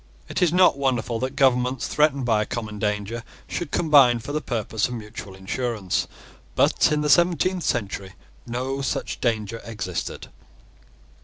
It is not wonderful that governments threatened by a common danger should combine for the purpose of mutual insurance. But in the seventeenth century no such danger existed.